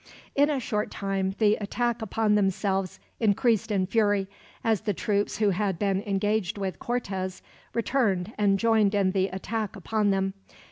In a short time the attack upon themselves increased in fury, as the troops who had been engaged with Cortez returned and joined in the attack upon them.